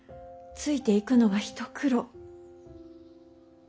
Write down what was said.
ついていくのが一苦労。